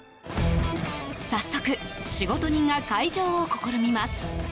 早速、仕事人が開錠を試みます。